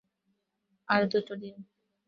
আর দুটো দিন।